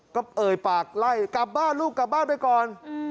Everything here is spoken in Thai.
ก็เอ่ยปากไล่ลูกกลับบ้านไปก่อน